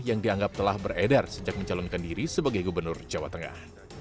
yang dianggap telah beredar sejak mencalonkan diri sebagai gubernur jawa tengah